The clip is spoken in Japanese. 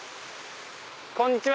こんにちは！